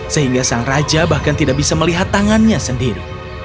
sehingga sang raja bahkan tidak bisa melihat tangannya sendiri